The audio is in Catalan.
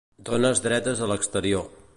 Dones dretes a l'exterior